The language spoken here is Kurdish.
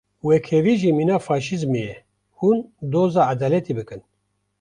Wekhevî jî mîna faşîzmê ye, hûn doza edaletê bikin.